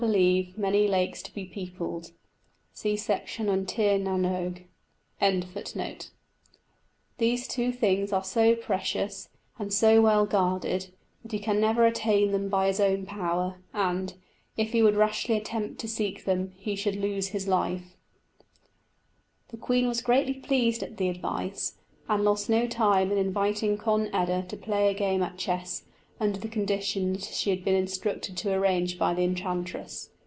Those two things are so precious, and so well guarded, that he can never attain them by his own power; and, if he would rashly attempt to seek them, he should lose his life." The queen was greatly pleased at the advice, and lost no time in inviting Conn eda to play a game at chess, under the conditions she had been instructed to arrange by the enchantress.